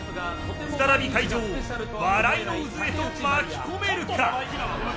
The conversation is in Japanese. さらに会場を笑いの渦へと巻き込めるか。